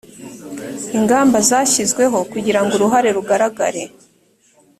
ingamba zashyizweho kugira ngo uruhare rugaragare